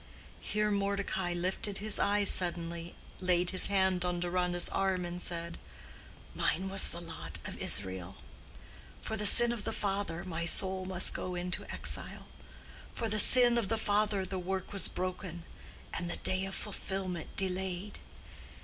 '"—Here Mordecai lifted his eyes suddenly, laid his hand on Deronda's arm, and said, "Mine was the lot of Israel. For the sin of the father my soul must go into exile. For the sin of the father the work was broken, and the day of fulfilment delayed.